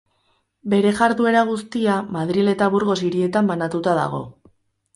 Bere jarduera guztia Madril eta Burgos hirietan banatua dago.